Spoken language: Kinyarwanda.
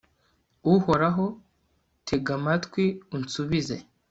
uhoraho, tega amatwi, unsubize